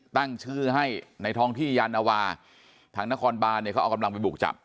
ตั้งชื่อให้ในท้องที่ยานวาทางนครบานเนี่ยเขาเอากำลังไปบุกจับ